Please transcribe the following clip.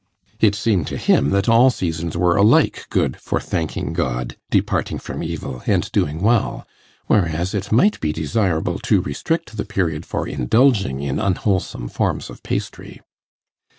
It seemed to him that all seasons were alike good for thanking God, departing from evil and doing well, whereas it might be desirable to restrict the period for indulging in unwholesome forms of pastry.